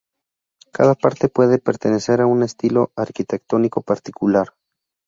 Cada parte puede pertenecer a un estilo arquitectónico particular.